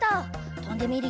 とんでみるよ。